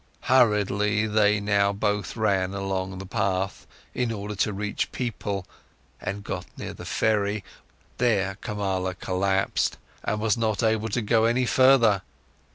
Hurriedly, they now both ran along the path, in order to reach people, and got near to the ferry, there Kamala collapsed, and was not able to go any further.